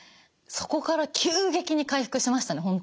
そこから急激に回復しましたね